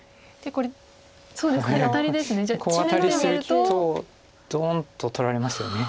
こうアタリするとドンと取られますよね。